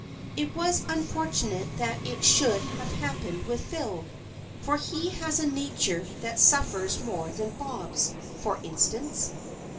It was unfortunate that it should have happened with Phil, for he has a nature that suffers more than Bob's, for instance.